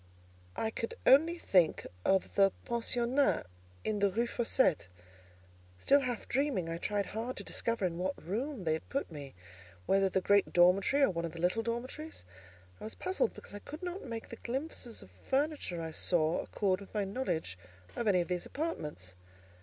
I could only think of the pensionnat in the Rue Fossette. Still half dreaming, I tried hard to discover in what room they had put me; whether the great dormitory, or one of the little dormitories. I was puzzled, because I could not make the glimpses of furniture I saw accord with my knowledge of any of these apartments.